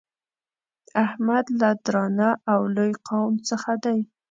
احمد له درانه او لوی قوم څخه دی.